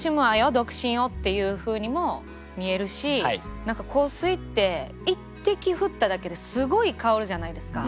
独身を」っていうふうにも見えるし何か「香水」って一滴振っただけですごい香るじゃないですか。